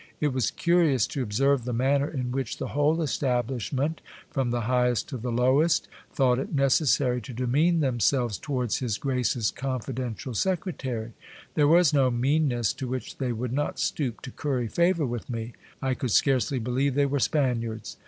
It was curious to observe the manner in which the whole establishment, from the highest to the lowest, thought it necessary to demean themselves towards his grace's confiden tial secretary ; there was no meanness to which they would not stoop to curry favour with me ; I could scarcely believe they were Spaniards.